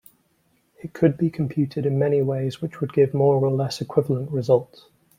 It could be computed in many ways which would give more or less equivalent results.